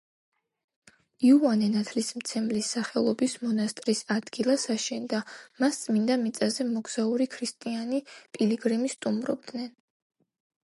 იოანე ნათლისმცემლის სახელობის მონასტრის ადგილას აშენდა, მას წმინდა მიწაზე მოგზაური ქრისტიანი პილიგრიმი სტუმრობდნენ.